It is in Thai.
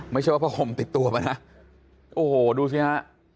ไม่ใช่ว่าผ้าห่มติดตัวมานะโอ้โหดูสิฮะ